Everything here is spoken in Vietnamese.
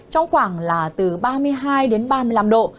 trong khoảng là từ ba mươi hai đến ba mươi năm độ